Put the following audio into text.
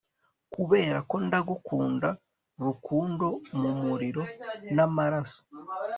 kuberako ndagukunda, rukundo, mumuriro n'amaraso